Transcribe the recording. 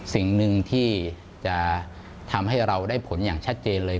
สิ่งหนึ่งที่จะทำให้เราได้ผลอย่างชัดเจนเลย